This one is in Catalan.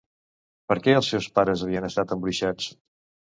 Per què els seus pares havien estat embruixats?